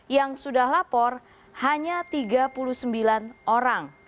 yang sudah lapor hanya tiga puluh sembilan orang